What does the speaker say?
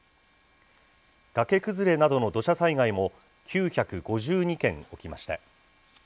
崖崩れなどの土砂災害も、９５２件起きました。